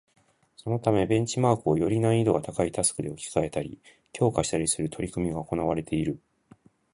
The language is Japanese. そのためベンチマークをより難易度が高いタスクで置き換えたり、強化したりする取り組みが行われている